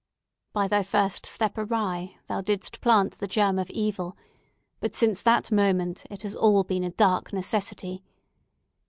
By thy first step awry, thou didst plant the germ of evil; but since that moment it has all been a dark necessity.